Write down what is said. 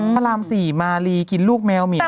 พระราม๔มาลีกินลูกแมวเหมีย